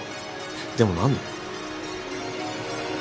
でも何で？